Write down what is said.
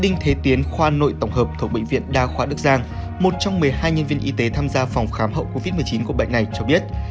đinh thế tiến khoa nội tổng hợp thuộc bệnh viện đa khoa đức giang một trong một mươi hai nhân viên y tế tham gia phòng khám hậu covid một mươi chín của bệnh này cho biết